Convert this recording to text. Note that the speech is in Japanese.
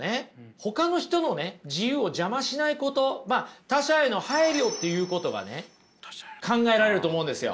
ほかの人のね自由を邪魔しないこと他者への配慮っていうことがね考えられると思うんですよ。